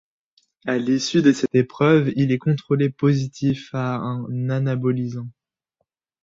À l'issue de cette épreuve, il est contrôlé positif à un anabolisant.